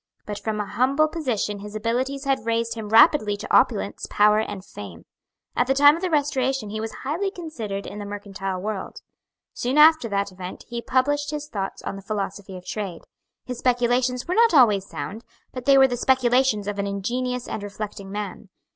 But from a humble position his abilities had raised him rapidly to opulence, power and fame. At the time of the Restoration he was highly considered in the mercantile world. Soon after that event he published his thoughts on the philosophy of trade. His speculations were not always sound; but they were the speculations of an ingenious and reflecting man.